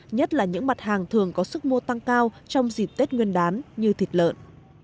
nhất là những mặt hàng thường có sức mua tăng cao trong dịp tết nguyên đán như thịt lợn